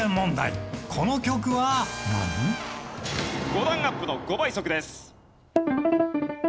５段アップの５倍速です。